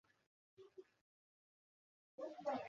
সে কি কোনোমতেই ঘটিতে পারে না।